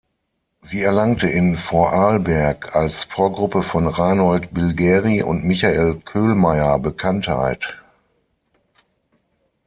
Sie erlangte in Vorarlberg als Vorgruppe von Reinhold Bilgeri und Michael Köhlmeier Bekanntheit.